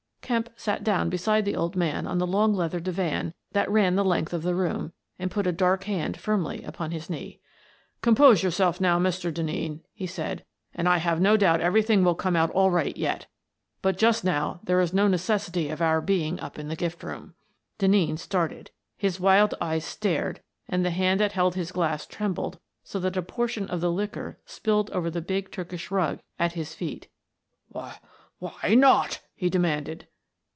" Kemp sat down beside the old man on the long leather divan that ran the length of the room, and put a dark hand firmly upon his knee. " Compose yourself, now, Mr. Denneen," he said, " and I have no doubt everything will come out all right yet. But just now there is no necessity of our being up in the gift room." Denneen started. His wild eyes stared and the hand that held his glass trembled so that a por tion of the liquor spilled over the big Turkish rug at his feet. " Wh — why not? " he demanded.